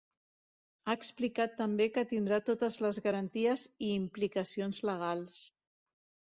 Ha explicat també que tindrà totes les garanties i implicacions legals.